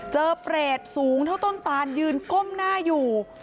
เจอเจอเปรตสูงที่โต้นตาลยืนก้มหน้าอยู่